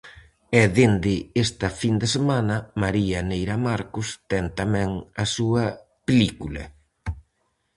E dende esta fin de semana María Neira Marcos ten tamén a súa película.